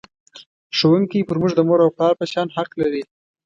ښوونکی پر موږ د مور او پلار په شان حق لري.